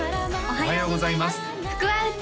おはようございます福は内！